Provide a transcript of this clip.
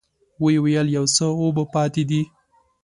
ويې ويل: يو څه اوبه پاتې دي.